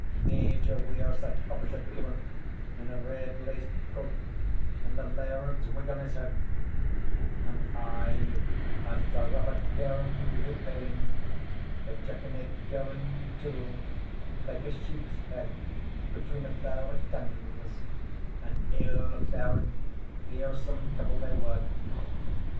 Major Weir sat opposite to him, in a red laced coat, and the laird's wig on his head; and aye as Sir Robert girned wi' pain, the jackanape girned too, like a sheep's head between a pair of tangs an ill faur'd, fearsome couple they were.